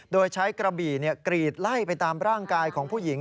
โดยใช้กระบี่กรีดไล่ไปตามร่างกายของผู้หญิง